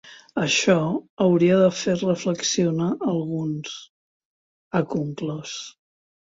Això hauria de fer reflexionar alguns, ha conclòs.